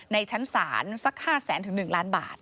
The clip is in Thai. ในชั้นศาลสัก๕แสนถึง๑ล้านบาท